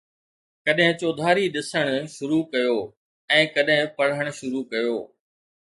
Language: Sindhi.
ڪڏهن چوڌاري ڏسڻ شروع ڪيو ۽ ڪڏهن پڙهڻ شروع ڪيو